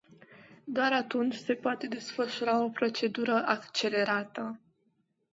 Doar atunci se poate desfășura o procedură accelerată.